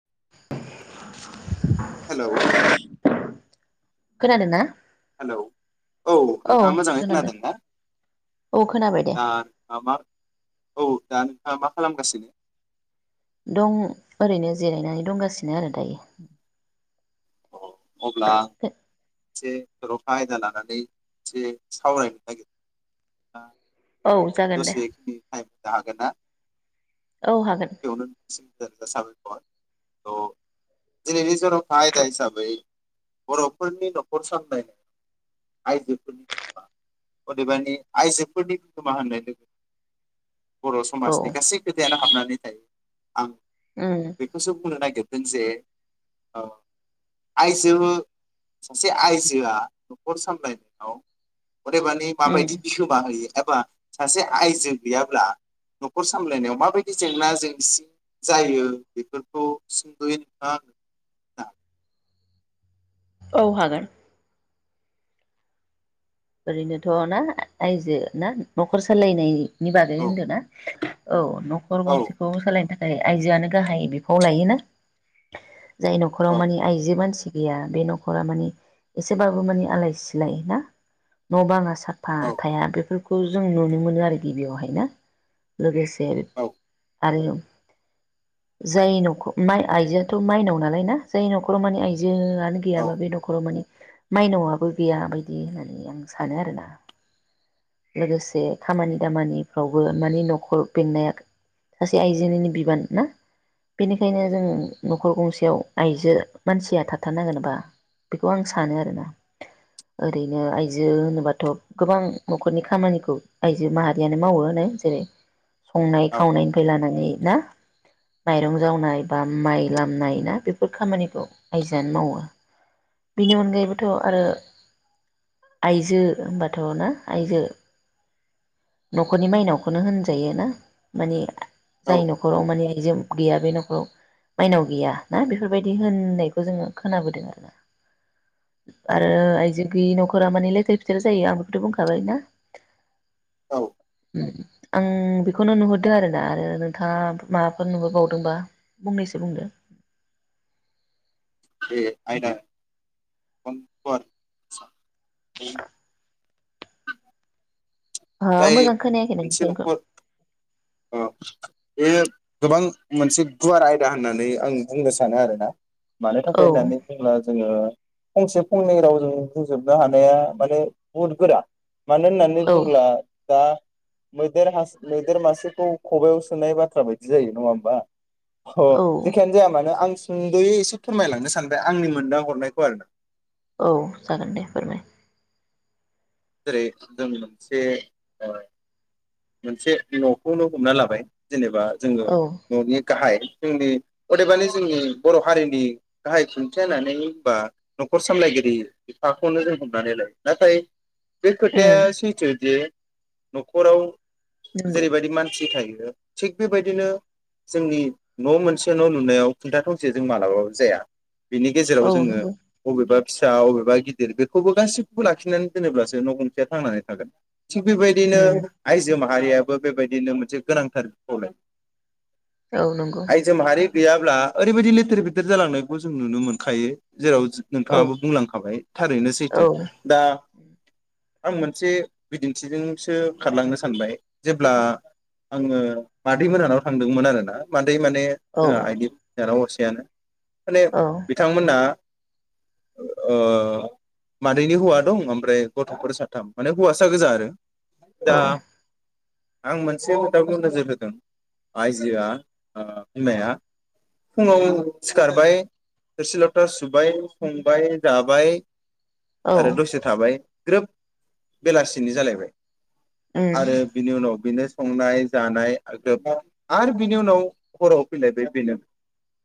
[inaudible] Hello. खोनादोंना? Hello औ नोंथाङा मोजाङै खोनादों ना औ खोनाबाय दे दा माबा औ दा। दा मा खालामगासिनो? दं ओरैनो जिरायनानै दंगासिनो आरो दायो। अ अब्ला एसे रखा आयदा लानानै एसे सावरायनो नागिर औ जागोन दे दसेखिनि टाइम होनो हागोन ना। [unintelligible] औ हागोन [unintelligible] दिनैनि जरखा आयदा हिसाबै [unintelligible] बर'फोरनि नखर सामलायनायाव आइजोफोरनि [unintelligible] अदेबानि आइजोफोरनि [unintelligible] मा होननाय [unintelligible] बर' औ समाजनि गासै खोथायानो हाबनानै नै थायो आं उम बेखौसो बुंनो नागिर जों जे ओ आइजो सासे आइजोआ नखर सामलायनायाव अदेबानि मा उम बायदि बिहोमा होयो? एबा सासे आयजो गैयाब्ला नखर सामलायनायाव माबायदि जेंना जेंसि जायो बेफोरखौ सुंदयै नोंथाङा [unintelligible] औ हागोन। ओरैनोथ ना आयजो ना नखर सालायनाय। नि बागै होनदों ना? औ। नखर औ गंसेखौ सालायनो थाखाय आइजोआनो गाहाय बिफाव लायोना। जाय औ नखराव मानि आइजो मानसि गैया बे नखरा मानि एसेबाबो माने आलाय सिलाय ना? न बां साफा औ थाया बेफोरखौ खौ जों नुनो मोनो आरो गिबियावहाय ना लोगोसे [unintelligible] आरो जाय नखर माइ आइजोआथमाइनाव नालाय ना जाय नखराव माने आइजो मानो औ गैयाबा बे नखराव माने माइनावआबो गैया बायदि होनो। आं सानो आरोना लोगोसे खामानि दामानिफ्रावबो मानि नखर बेंनाया सासे आइजोनिनो बिबान ना बेनिखायनो जों नखर गंसेयाव आइजो मानसिया थाथारनांगोनबा बेखौ आं सानो आरोना ओरै। बिदिनो आइजो होनोबाथ गोबां नखरनि खामानिखौ आइजो माहारियानो मावो होनो जेरै संनाय औ खावनायनिफ्राय लानानै। ना माइरं जावनाय बा माइ लामनाय ना बेफोर खामानिखौ आइजोआनो मावो बेनि अनगायैबोथ आरो आइजो होनबाथ ना आइजो नखरनि माइनावखौनो होनजायो ना मानि औ जाय नखराव माने। आइजो गैया बे नखराव माइनाव गैया ना बेफोरबायदि होननायखौ जोङो खोनाबोदों आरो ना। आरो आइजो गैयि नखरा माने लेथेर फिथेर जायो आं बेखौथ बुंखाबाय ना। औ आं बेखौनो नुहरदों आरोना आरो नोंथाङा माबाफोर नुहर बावदोंबा फंनैसो बुंदो। बे आयना [unintelligible] जाय मोजां खोनायाखै मोनसे ननोंसोरखौ न'खर बे गोबां मोनसे गुवार आयदा होननानै आं बुंनो सानो आरोना। मानो औ थाखाय होननानै बुंब्ला जोङो फंसे फंनै रावजों बुंजोबनो हानाया माने बुहुद गोरा। मानो होननानै औ बुंब्ला दा। मैदेर हास मैदेर मासे खौ खबआव सोनाय बाथ्रा बायदि जायो नङा होमबा। अ औ जेखियानो जाया मानो आं सुंदयै एसे फोरमायलांनो सानबाय आंनि मोनदां हरनायखौ आरो ना औ जागोन दे फोरमाय। जेरै जों मोनसे ओ मोनसे नखौनो हमना लाबाय जेनेबा जोङो औ ननि गाहाय जोंनि अदेबानि जोंनि बर हारिनि गाहाय खुन्थिया होननानै बा नखर सामलायगिरि बिफाखौनो जों हमनानै लायो नाथाय बे खोथाया उम सैथोदि न'खराव नंगौ जेरैबायदि मानसि थायो। थिग बेबायदिनो जोंनि न मोनसे न लुनायाव खुन्था थंसेजों मालाबाबो जाया बिनि गेजेराव औ जोङो नंगौ बबेबा फिसा अबेबा गिदिर बेखौबो गासिखौबो लाखिनानै दोनोब्लासो न गंसेया थांनानै थागोन थिग बेबायदिनो उम माहारियाबो बेबायदिनो मोनसे गोनांथार खावलाय औ नंगौ गैयाब्ला ओरैबायाददि लेथेर गेदेर जालांनायखौ जों नुनो मोनखायो जेराव औ नोंथाङाबो बुंलांखाबाय थारैनो औ सैथो दा आं मोनसे बिदिन्थिजोंसो खारलांनो सानबाय जेब्ला आङो मादै मोनहानाव थांदोंमोन आरोना मा दै माने औ जोंहा आइनि बिनानाव असेयानो माने औ बिथांमोना ओ मादैनि हौवा दं ओमफ्राय गथ'फोर साथाम माने हौवासा गोजा आरो दा औ आं मोनसे हुदाखौ नोजोर होदों आइजोआ ओ बिमाया फुङाव सिखारबाय थोरसि लथा सुबाय संबाय जाबाय औ आरो दसे थाबाय ग्रोब बेलासिनि जालायबाय उम आरो बिनि उनाव बिनो संनाय जानाय ग्रोब आरो बिनि उनाव हराव फैलायबाय बेनो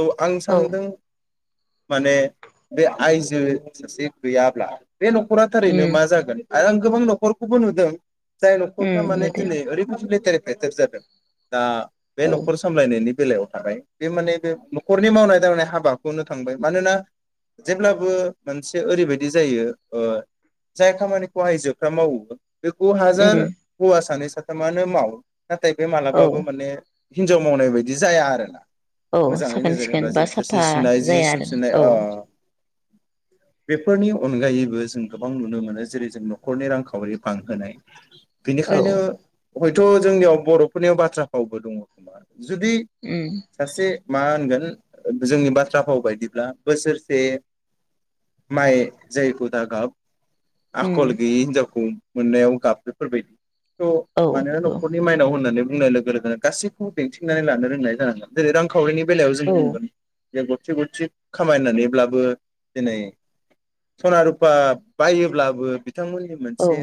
औ आं औ सानदों माने बे आइजो सासे गैयाब्ला बे न'खरा थारैनो उम मा जागोन आरो आं गोबां न'खरखौबो नुदों जाय नखरफ्रा उम माने नुदों दिनै ओरै [unintelligible] [unintelligible] दा बे औ न'खर सामलायनायनि बेलायाव थाबाय बे माने बे न'खरनि मावनाय दांनाय हाबाखौनो थांबाय मानोना जेब्लाबो मोनसे ओरैबायदि जायो ओ जाय खामानिखौ आइजोफ्रा मावो बे खौ उम हाजार हौवा सानै साथामानो माव नाथाय बे औ मालाबाबो माने हिनजाव मावनाय बायदि जाया आरोना। औ मोजाङै साखोन नोजोर होब्ला सिखोन बा जेरै थोरसि साफा सुनाय जि जाया जोम आरो सुनाय औ। ओ बेफोरनि अनगायैबो जों गोबां नुनो मोनो जेरै जों नखरनि रांखावरि बांहोनाय [inaudible] औ बेनिखायनो हयथ' जोंनियाव बर'फोरनियाव बाथ्रा फावबो दङ' खोमा जुदि उम सासे मा होनगोन जोंनि बाथ्रा फाव बायदिब्ला बोसोरसे माइ जायखु दा गाब उम आखल गैयि हिनजावखौ मोननायाव गाब बेफोरबायदि। थ औ मानोना नखरनि माइनाव होननानै बुंनाय लोगो लोगोनो गासैखौबो बेंथिंनानै लानो रोंनाय जानांगोन। जेरै रांखौ खावरिनि बेलायाव जों औ बुंगोन। जों गथि गथि खामायनानैब्लाबो दिनै सना रुफा बायोब्लाबो बिथांमोननि औ मोनसे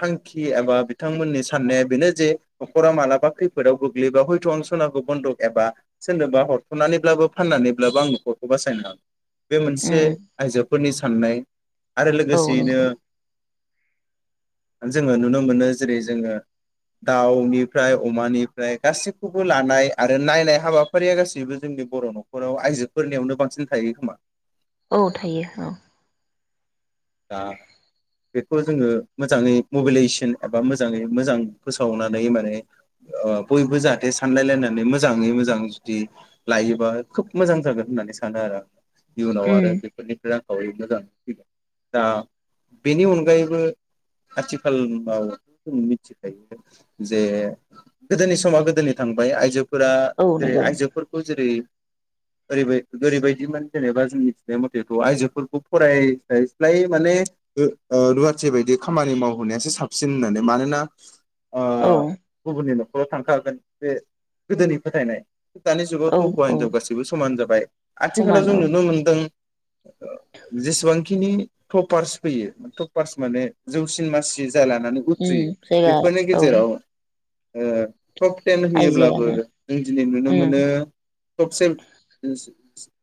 थांखि एबा बिथांमोननि साननाया बेनो जे नखरा मालाबा खैफोदाव गोग्लैबा हयथ' आं सनाखौ बन्दक एबा सोरनोबा हरथ'नानैब्लाबो फाननानैब्लाबो आं नखरखौ बासायनो हागोन। बे मोनसे उम आइजोफोरनि सा साननाय। आरो औ लोगोसेयैनो नंगौ जोङो नुनो मोनो जेरै जोङो दाउनिफ्राय अमानिफ्राय गासिखौबो लानाय आरो नायनाय हाबाफारिया गासैबो जोंनि बर' नखराव आइजोफोरनियावनो बांसिन थायो खोमा। औ थायो औ। दा बेखौ जोङो मोजाङै मबिलाइजिसन एबा मोजाङै मोजां फोसावनानै माने ओ बयबो जाहाथे सानलायलायनानै मोजाङै मोजां जुदि लायोबा खोब मोजां जागोन होननानै सानो आरो आं। इयुनाव उम आरो बेफोरनिफ्राय रां औै मोजां हु दा बेनि अनगायैबो आथिखालमुगाव जों मिथिखायो जे गोदोनि समा गोदोनि थांबाय आइजो फोरा औ जेरै नंगौ आइजोफोरखौ जेरै ओरैबाय ओरैबायदि मोन जेनेबा जों मिथिनाय मथेथ' आइजोफोरखौ फरायस्लाय स्लाय माने ओ ओ रुवाथि बायदि खामानि मावहोनायासो साबसिन होननानै मानोना ओ औ गुबुननि नख खराव थांखागोन बे गोदोनि फोथायनाय। दानि जुगावथ' औ हौवा औ हिनजाव गासैबो समान जाबाय। आथिखालाव समान जों औ नुनो मोनदों ओ जेसेबांखिनि टपार्स फैयो टपार्स माने जौसिन मासि जाय लानानै उम उथ्रियो जायगा बेफोरनि औ गेजेराव ओ टप टेन होयोब्लाबो आइजोआनो जों दिनै नुनो उम मोनो टप सेब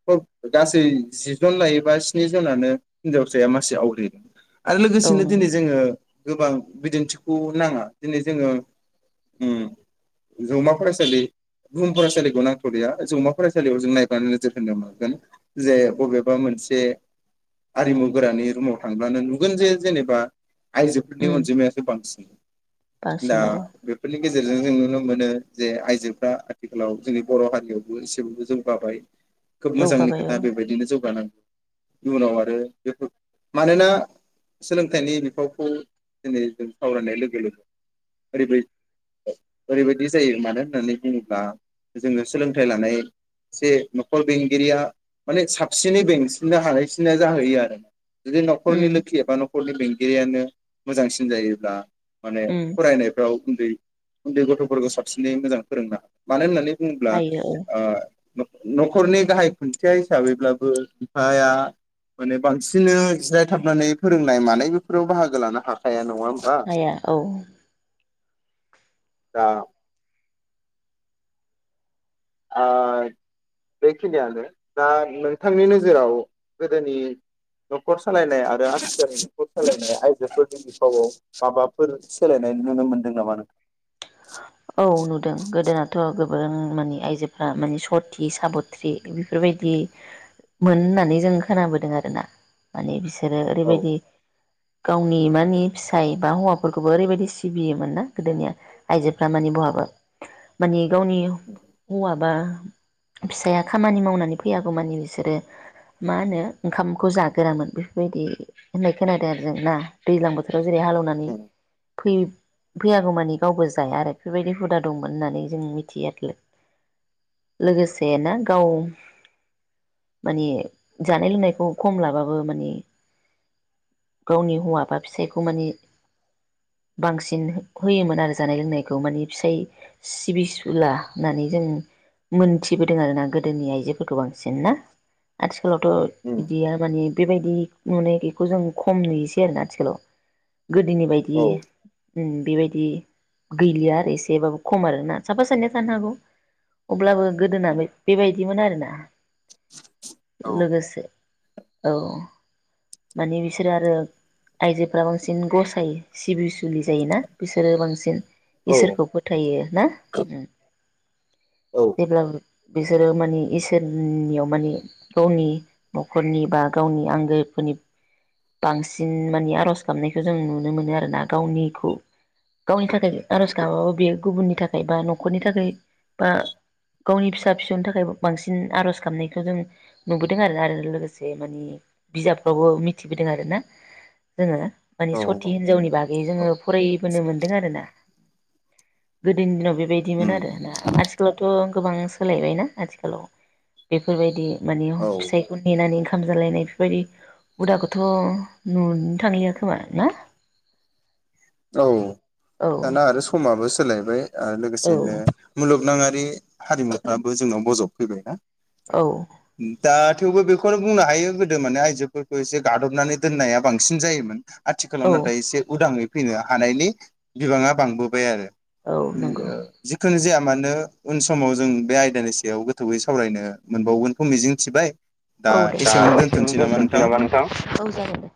टप गासै जि जन लायोबा स्नि जनानो हिनजावस साया मासि आवग्रियो। आरो औ लोगोसेनो नंगौ दिनै जोङो। गोबां बिदिन्थिखौ नाङा दिनै जोङो उम जौमा फरायसालि बुहुम फरायसालिखौ नांथलिया जौमा फरायसालियाव जों नायबानो नोजोर होनो मोनगोन जे बबेबा मोनसे आरिमु गोरानि रुमाव थांब्लानो नुगोन जे जेनेबा आइजोफोरनि उम अनजिमायासो बांसिन दा बांसिन औ बेफोरनि गेजेरजों जों नुनो मोनो जे आइजोफ्रा आथिखालाव जोंनि बर हारियावबो एसेबाबो जौगाबाय खोब मोजांनि जौगाबाय औ खोथा बेबायदिनो जौगानां इउनाव आरो बेफोर मानोना सोलोंथाइनि बिफावखौ दिनै जों सावरायनाय लोगो लोगो ओरैबाय ओरैबायदि जायो मानो होननानै बुङोब्ला जोङो सोलोंथाइ लानाय एसे नखर बेंगिरिया माने साबसिनै बेंसिननो हानायसिननाय जाहैयो आरो। जुदि नखरनि उम लोखि एबा नं खरनि बेंगिरियानो मोजांसिन जायोब्ला। माने उम फरायनायफ्राव उन्दै उन्दै गथफोरखौ साबसिनै मोजां फोरोंना मानो होननानै बुंब्ला हायो औ आ नखरनि गाहाय खुन्थिया हिसाबैब्लाबो बिफाया माने बांसिननो जिरायथाबनानै फोरोंनाय मानाय बेफोराव बाहागो लानो हाखाया नङा होमबा हाया औ दा ओ बेखिनियानो दा नोंथांनिनो जेराव गोदोनि नखर सालायनाय आरो आथिखालनि नखर सालायनाय आइजोफोरनि बिफावआव माबाफोर सोलायनाय नुनो मोनदों नामा नों औ गोदोनाथ' नुदों माने आइजोफ्रा माने सति साबथ्रि बेफोरबायदि मोन होननानै जों खोनाबोदों आरो ना माने बिसो सोरो औ ओरैबायदि गावनि मानि फिसाय बा हौवाफोरखौबो ओरैबायदि सिबियोमोन ना गोदोनिया आइजो फोरा मानि बहाबा मानि गावनि हौवाबा फिसाया खामानि मावनानै फैयागौ मानि बिसोरो मा होनो ओंखामखौ जागोरामोन बेफोरबायदि होननाय खोनादों आरो जों ना दैलां बोथोराव जेरै हालोउनानै उम फै फैयागौ मानि गावबो जाया आरो बेफोरबायदि हुदा दंमोन होननानै जों मिथियाखै लोगोसे ना गाव माने जानाय लोंनायखौ खम लाबाबो माने गावनि हौवा बा फिसायखौ माने बांसिन हो होयोमोन आरो जानाय लोंनायखौ माने फिसाय सिबिसुला होननानै जों मोनथिबोदों आरो ना गोदोनि आइजोफोरखौ बांसिन ना आथिखाल फोरावथ उम इदिया माने बेबायदि नुनाय बेखौ जों खम नुयोसै आरो ना आथिखालाव। गोदोनि बायदि औ उम बेबायदि गैलिया आरो एसेबाबो खम आरोना साफा सानैया थानो हागौ अब्लाबो गोदोना बे बेबायदिमोन आरोना। औ लोगोसे औ माने बिसोरो आरो आइजोफ्रा बांसिन गसायो सिबि सुलि जायोना बिसोरो बांसिन। औ इसोरखौ फोथायो। ना उम औ जेब्लाबो बिसोरो माने इसोरनियाव माने गावनि नखरनि बा गावनि आंगोफोरनि बांसिन माने आरज गाबनायखौ जों नुनो मोनो आरोना गावनिखौ गावनि थाखाय आरज गाबाबो बेयो गुबुननि थाखाय बा नखरनि थाखाय बा गावनि फिसा फिसौनि थाखाय बांसिन आरज गाबनायखौ जों नुबोदों आरोना आरो लोगोसे माने बिजाबफ्रावबो मिथि सिबिदों आरोना जोङो। माने औ सती हिनजावनि बागै औ जोङो फरायबोनो मोन्दों आरो ना। गोदोनि दिनाव बे बेदिमोन उम आरो ना। आथिखालावथ गोबां सोलायबायना आथिखालाव बेफोरबायदि माने औ फिसायखौ नेनानै ओंखाम जालायनाय बेफोरबायदि हुदा खौ थ नुनो थांलिया खोमा ना। औ औ दाना आरो समाबो सो सोलायबाय। आरो औ लोगोसेनो मुलुगनाङै बे हारिमुफ्राबो जोंनाव बजब फैबायना। औ। दा थेवबो बेखौनो बुंनो हायो गोदो माने आइजोफोरखौ एसे गादबनानै दोननाया बांसिन जायोमोन। आथिखालाव औ नाथाय एसे उदाङै फैनो हानायनि बिबांङा बांबोबाय आरो। औ नंगौ [unintelligible] जिखुनु जाया। मानो उन समाव जों बे आयदानि सायाव गोथौवै सावरायनो मोनबावगोनखौ मिजिं थिबाय। औ दे दा एसेयावनो दोनथनोसै नामा नोंथां औ जागोन दे।